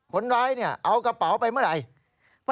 คนร้ายเนี่ยเอากระเป๋าไปเมื่อไหร่